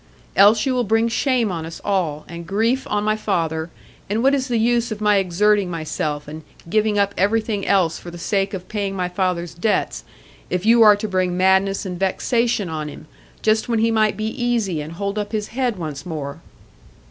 Else you will bring shame on us all, and grief on my father; and what is the use of my exerting myself and giving up everything else for the sake of paying my father's debts, if you are to bring madness and vexation on him, just when he might be easy and hold up his head once more?"